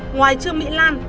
ngoài trường mỹ lan